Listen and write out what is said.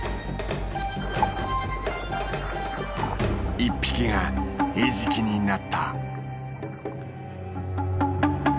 １匹が餌食になった。